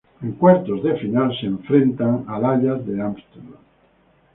En cuartos de final se enfrentan al Ajax de Ámsterdam.